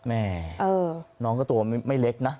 แม่น้องก็ตัวไม่เล็กนะ